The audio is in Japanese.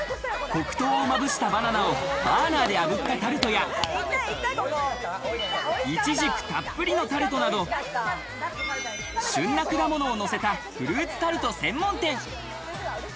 黒糖をまぶしたバナナをバーナーで炙ったタルトや、イチジクたっぷりのタルトなど、旬な果物をのせたフルーツタルト専門店。